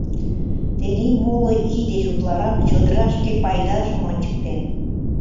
Тений моло ий деч утларак чодыра шке пайдажым ончыктен.